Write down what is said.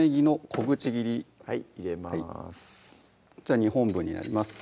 こちら２本分になります